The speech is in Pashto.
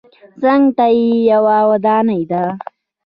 څنګ ته یې یوه ودانۍ ده.